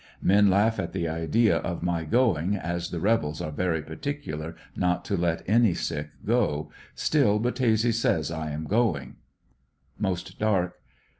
Men laugh at the idea of my going, as the rebels are very particular not to let any sick go, still Battese say I am going. Most Dark.